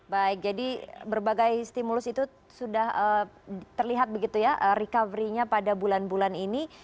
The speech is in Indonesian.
baik jadi berbagai stimulus itu sudah terlihat begitu ya recovery nya pada bulan bulan ini